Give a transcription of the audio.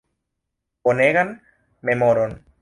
Bonegan memoron.